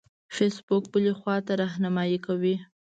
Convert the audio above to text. فیسبوک بلې خواته رهنمایي کوي.